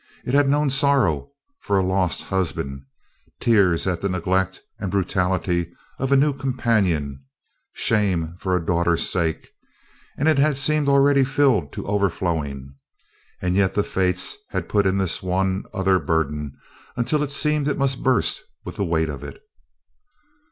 It had known sorrow for a lost husband, tears at the neglect and brutality of a new companion, shame for a daughter's sake, and it had seemed already filled to overflowing. And yet the fates had put in this one other burden until it seemed it must burst with the weight of it.